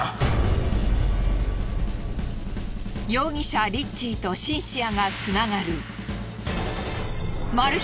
容疑者リッチーとシンシアがつながるマル秘